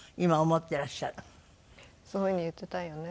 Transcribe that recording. そういう風に言ってたよね。